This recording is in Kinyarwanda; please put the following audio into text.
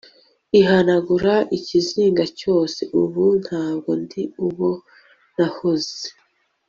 ihanagura ikizinga cyose, ubu ntabwo ndi uwo nahoze